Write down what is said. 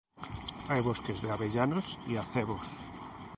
Hay bosques de avellanos y acebos.